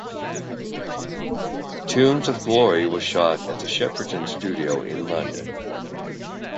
"Tunes of Glory" was shot at Shepperton Studios in London.